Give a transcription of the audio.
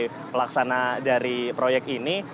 penyelidikan dari proyek ini